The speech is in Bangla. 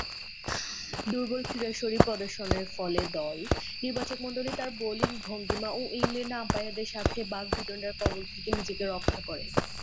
দূর্বল ক্রীড়াশৈলী প্রদর্শনের ফলে দল নির্বাচকমণ্ডলীর তার বোলিং ভঙ্গীমা ও ইংল্যান্ডে আম্পায়ারদের সাথে বাক-বিতণ্ডার কবল থেকে নিজেদের রক্ষা করে।